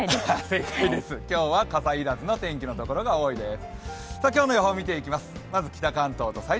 正解です、今日は傘要らずの天気のところが多いです。